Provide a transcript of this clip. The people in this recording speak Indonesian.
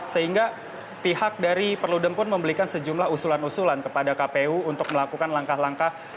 sehingga pihak dari perludem pun membelikan sejumlah usulan usulan kepada kpu untuk melakukan langkah langkah